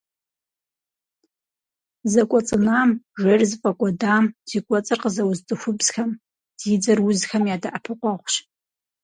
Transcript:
Зэкӏуэцӏынам, жейр зыфӏэкӏуэдам, зи кӏуэцӏыр къызэуз цӏыхубзхэм, зи дзэр узхэм я дэӏэпыкъуэгъущ.